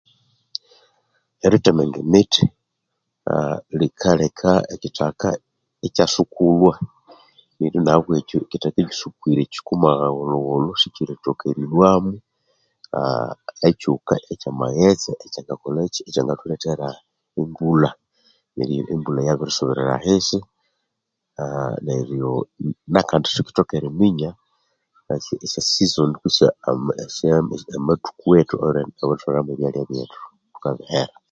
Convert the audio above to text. Erithemenga emithi aa likaleka ekyithaka ikyasukulhwa neryo nahabwekyo ekyithaka ekyisukwire kyikuma gholhogholho sikyirithoka erilhwamo aa ekyuka ekya amaghetse ekyangakolhaki ekyangathulethera embulha, neryo embulha yabirisubirira ahisi, aa neryo nakandi sithukyithoka eriminya esya season kutse esyamu amathuku awerithwalhamo ebyalya byethu thukabihera.